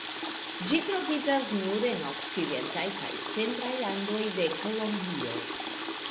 Ĝi troviĝas nur en okcidentaj kaj centraj Andoj de Kolombio.